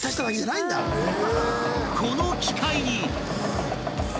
［この機械に］